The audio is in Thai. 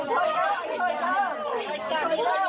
มันตายแล้วเมื่อตายแล้ว